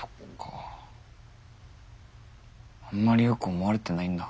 あんまりよく思われてないんだ。